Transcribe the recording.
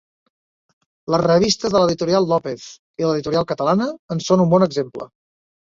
Les revistes de l'Editorial López i l'Editorial Catalana en són un bon exemple.